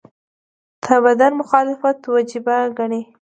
تعبداً مخالفت وجیبه ګڼي.